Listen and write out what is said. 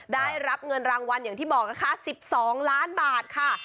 ได้รับเงินรางวัลอย่างที่บอกนะคะ๑๒ล้านบาทค่ะ